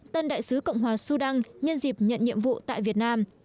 tân đại sứ cộng hòa sudan nhân dịp nhận nhiệm vụ tại việt nam